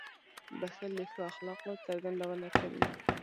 • بښل د ښو اخلاقو څرګندونه کوي.